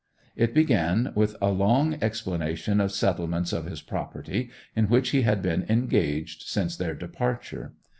It began with a long explanation of settlements of his property, in which he had been engaged since their departure.